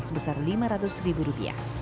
sebesar lima ratus ribu rupiah